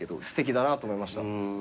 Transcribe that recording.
すてきだなと思いました。